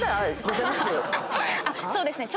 そうですね。